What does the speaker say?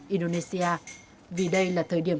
indonesia vì đây là thời điểm